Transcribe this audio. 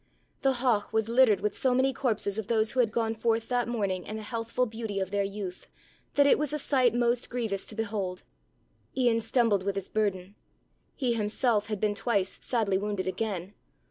The haugh was littered with so many corpses of those who had gone forth that morning in the healthful beauty of their youth, that it was a sight most grievous to behold. Ian stumbled with his burden. He himself had been twice sadly wounded again.